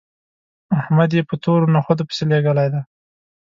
احمد يې په تورو نخودو پسې لېږلی دی